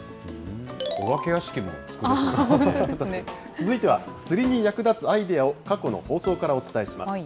続いては、釣りに役立つアイデアを過去の放送からお伝えします。